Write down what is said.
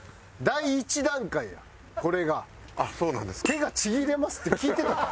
「手がちぎれます」って聞いてたか？